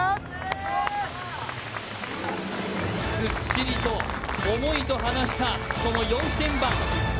ずっしりと重いと話したその４０００番。